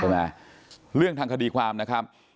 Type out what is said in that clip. เรื่องทางคดีความนะครับ